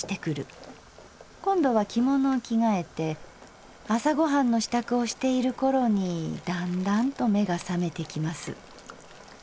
今度は着物を着替えて朝ご飯の支度をしているころにだんだんと目が覚めてきます。